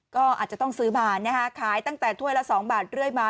ก็อาจจะต้องซื้อมานะคะขายตั้งแต่ถ้วยละ๒บาทเรื่อยมา